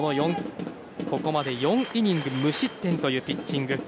ここまで４イニング無失点というピッチング。